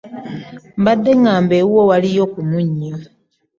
Mbadde ŋŋamba ewuwo waliyo ku munnyo.